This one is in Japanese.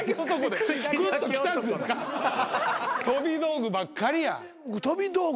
飛び道具ばっかりや。